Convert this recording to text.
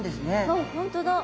あ本当だ。